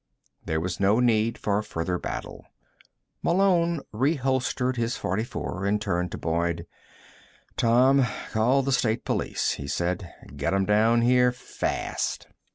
There was no need for further battle. Malone reholstered his .44 and turned to Boyd. "Tom, call the State Police," he said. "Get 'em down here fast."